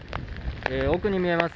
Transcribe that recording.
奥に見えます